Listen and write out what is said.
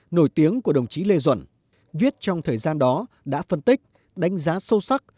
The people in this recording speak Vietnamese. nổi tiếng của đồng chí lê duẩn viết trong thời gian đó đã phân tích đánh giá sâu sắc